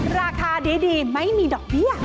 ราคาดีไม่มีดอกเบี้ย